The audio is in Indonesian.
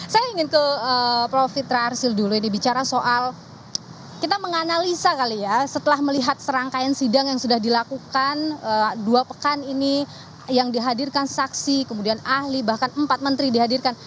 saya ingin ke prof fitra arsil dulu ini bicara soal kita menganalisa kali ya setelah melihat serangkaian sidang yang sudah dilakukan dua pekan ini yang dihadirkan saksi kemudian ahli bahkan empat menteri dihadirkan